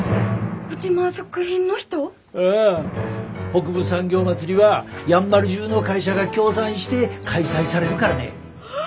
北部産業まつりはやんばる中の会社が協賛して開催されるからね。